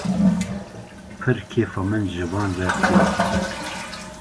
Pir kêfa min ji wan re tê.